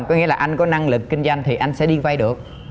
có nghĩa là anh có năng lực kinh doanh thì anh sẽ đi vay được